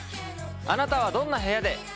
あなたはどんな部屋で。